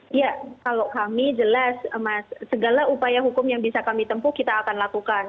iya kalau kami jelas segala upaya hukum yang bisa kami tempuh kita akan lakukan